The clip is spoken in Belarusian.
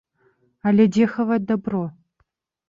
Але дзе хаваць дабро?